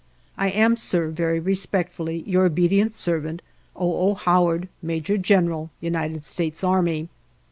I am, sir, very respectfully, your obe dient servant, " O. O. Howard, " Major General, United States Army."